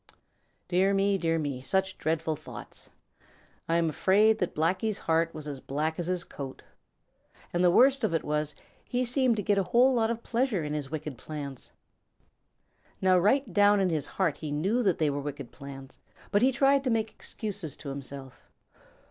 Dear me, dear me, such dreadful thoughts! I am afraid that Blacky's heart was as black as his coat. And the worst of it was, he seemed to get a lot of pleasure in his wicked plans. Now right down in his heart he knew that they were wicked plans, but he tried to make excuses to himself.